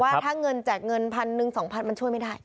เพราะว่าถ้าเงินจากเงินพันหนึ่งสองพันมันช่วยไม่ได้